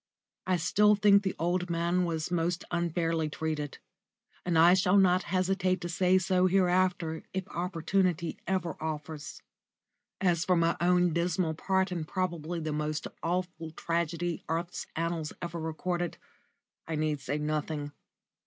I still think the old man was most unfairly treated, and I shall not hesitate to say so hereafter if opportunity ever offers. As for my own dismal part in probably the most awful tragedy earth's annals ever recorded, I need say nothing.